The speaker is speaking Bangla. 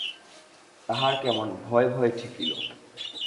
তাহার কেমন ভয় ভয় ঠেকিল।